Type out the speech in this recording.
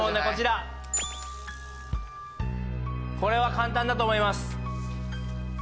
こちらこれは簡単だと思います